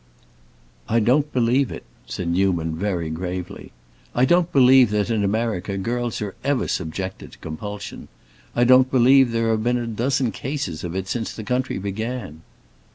"I don't believe it!" said Newman, very gravely. "I don't believe that, in America, girls are ever subjected to compulsion. I don't believe there have been a dozen cases of it since the country began."